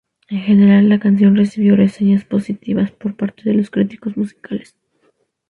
En general, la canción recibió reseñas positivas por parte de los críticos musicales.